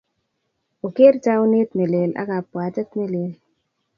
Oker taunet nelel ak kapwatet ne lel.